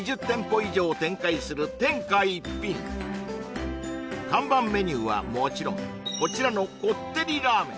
以上展開する天下一品看板メニューはもちろんこちらのこってりラーメン